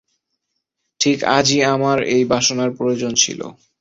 ঠিক আজই আমার এই বাসনার প্রয়োজন ছিল।